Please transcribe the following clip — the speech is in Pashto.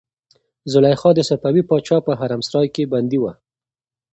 زلیخا د صفوي پاچا په حرمسرای کې بندي وه.